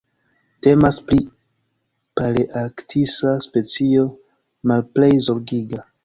Temas pri palearktisa specio Malplej Zorgiga.